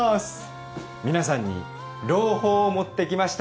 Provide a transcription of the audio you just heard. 皆さんに朗報を持ってきました！